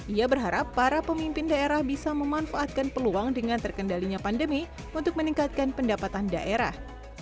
ia berharap para pemimpin daerah bisa memanfaatkan peluang dengan terkendalinya pandemi untuk meningkatkan pendapatan daerah